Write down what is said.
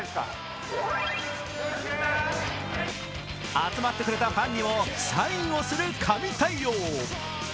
集まってくれたファンにもサインをする神対応。